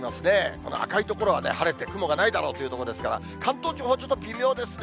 この赤い所は晴れて、雲がないだろうという所ですから、関東地方はちょっと微妙ですね。